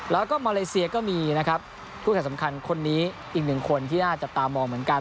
และมาเลเซียก็มีคู่แข่งสำคัญคนนี้อีกหนึ่งคนที่น่าจะตามมองเหมือนกัน